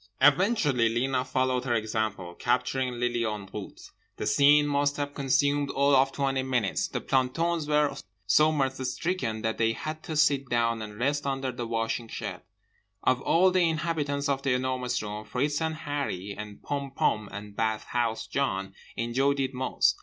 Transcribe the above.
Eventually Lena followed her example, capturing Lily en route. The scene must have consumed all of twenty minutes. The plantons were so mirth stricken that they had to sit down and rest under the washing shed. Of all the inhabitants of The Enormous Room, Fritz and Harree and Pom Pom and Bathhouse John enjoyed it most.